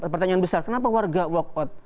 pertanyaan besar kenapa warga walk out